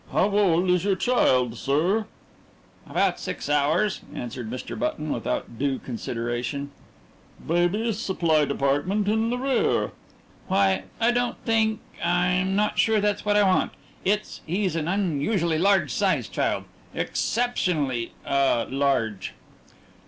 "How old is your child, sir?" "About six hours," answered Mr. Button, without due consideration. "Babies' supply department in the rear." "Why, I don't think I'm not sure that's what I want. It's he's an unusually large size child. Exceptionally ah large."